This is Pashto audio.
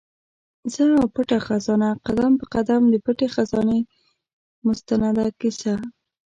زه او پټه خزانه؛ قدم په قدم د پټي خزانې مستنده کیسه